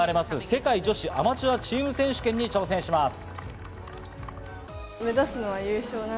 世界女子アマチュアチーム選手権に挑戦します。